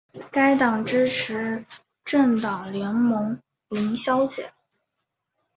该党支持政党联盟零削减。